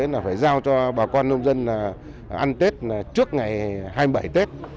là phải giao cho bà con nông dân ăn tết trước ngày hai mươi bảy tết